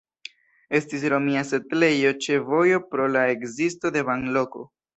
Estis romia setlejo ĉe vojo pro la ekzisto de banloko.